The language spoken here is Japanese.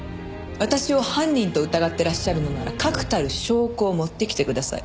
私を犯人と疑ってらっしゃるのなら確たる証拠を持ってきてください。